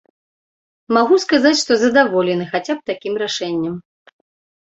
Магу сказаць, што задаволены хаця б такім рашэннем.